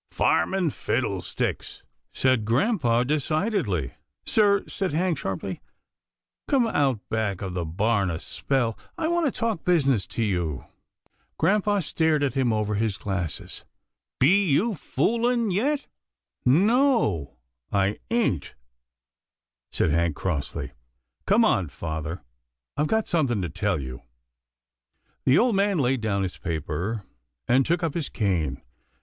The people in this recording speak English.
" Farming fiddlesticks," said grampa decidedly. " Sir," said Hank sharply, " come out back of the barn a spell. I want to talk business to you." Grampa stared at him over his glasses. " Be you fooling yet ?"" No, I ain't," said Hank crossly. " Come on, father, I've got something to tell you." The old man laid down his paper, and took up his cane.